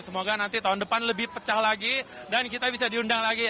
semoga nanti tahun depan lebih pecah lagi dan kita bisa diundang lagi